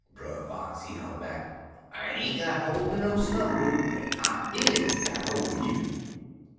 "Brer Fox he holler back: "'I ain't got holt er no stump root, en I is got holt er you.'